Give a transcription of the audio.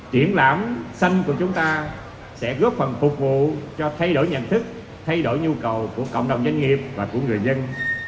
triển lãm xanh của chúng ta sẽ góp phần phục vụ cho thay đổi nhận thức thay đổi nhu cầu của cộng đồng doanh nghiệp và của người dân